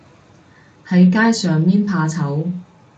喺街上面怕醜